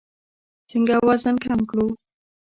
څنګه وزن کم کړو؟